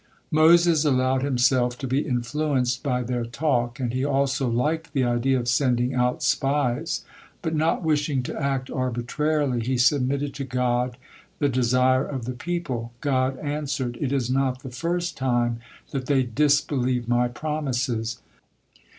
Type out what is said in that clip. Moses allowed himself to be influenced by their talk, and he also liked the idea of sending out spies, but not wishing to act arbitrarily he submitted to God the desire of the people. God answered: "It is not the first time that they disbelieve My promises.